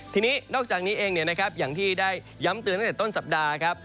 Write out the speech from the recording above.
ทีนี้นอกจากนี้เองอย่างที่ได้ย้ำเตือนตั้งแต่ต้นสัปดาห์ครับ